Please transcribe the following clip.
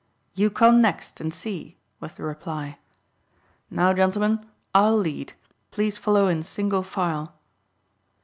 "You come next, and see," was the reply. "Now, gentlemen, I'll lead; please follow in single file."